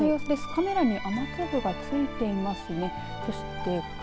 カメラに雨粒が付いていますね。